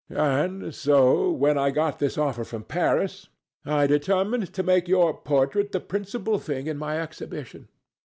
And so when I got this offer from Paris, I determined to make your portrait the principal thing in my exhibition.